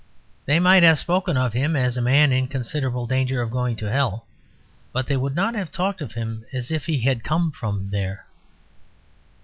They might have spoken of him as a man in considerable danger of going to hell; but they would have not talked of him as if he had come from there.